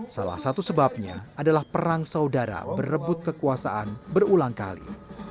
salah satu sebabnya adalah perang saudara berebut kekuasaan berulang kali